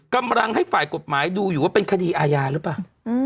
กำลังให้ฝ่ายกฎหมายดูอยู่ว่าเป็นคดีอาญาหรือเปล่า